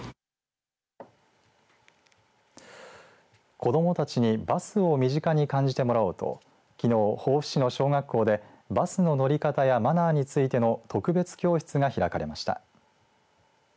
子どもたちにバスを身近に感じてもらおうときのう防府市の小学校でバスの乗り方やマナーについての特別教室が開かれました。